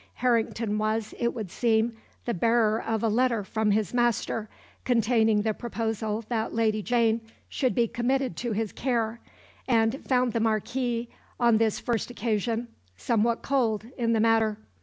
Harrington was, it would seem, the bearer of a letter from his master, containing the proposal that Lady Jane should be committed to his care; and found the Marquis, on this first occasion, "somewhat cold" in the matter.